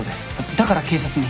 だから警察に。